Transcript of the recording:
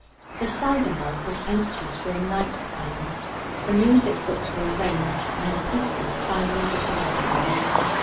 The cider mug was emptied for the ninth time, the music books were arranged, and the pieces finally decided upon.